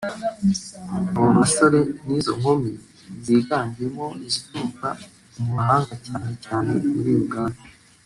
Abo basore n’izo nkumi ziganjemo izituruka mu mahanga cyane cyane muri Uganda